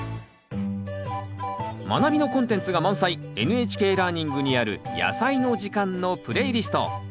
「まなび」のコンテンツが満載「ＮＨＫラーニング」にある「やさいの時間」のプレイリスト。